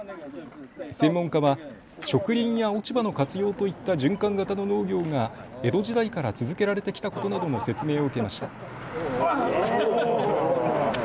専門家は植林や落ち葉の活用といった循環型の農業が江戸時代から続けられてきたことなどの説明を受けました。